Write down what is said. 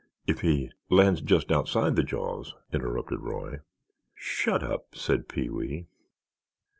If he—" "Lands just outside the jaws," interrupted Roy. "Shut up!" said Pee wee.